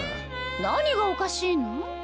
何がおかしいの？